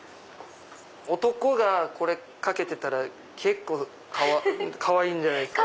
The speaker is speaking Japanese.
男がこれ掛けてたら結構かわいいんじゃないですか。